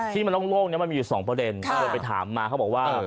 ที่มันโล่งมันมีอยู่๒ประเด็นเค้าเลยไปถามมาเค้าบอกว่า